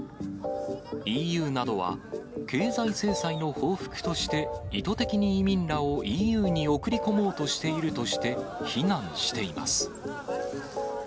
ＥＵなどは経済制裁の報復として、意図的に移民らをＥＵに送り込もうとしているとして非難しています。